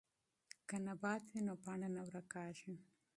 که نبات وي نو پاڼه نه ورکیږي.